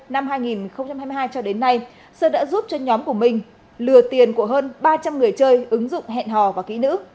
năm hai nghìn hai mươi hai cho đến nay sơn đã giúp cho nhóm của mình lừa tiền của hơn ba trăm linh người chơi ứng dụng hẹn hò và kỹ nữ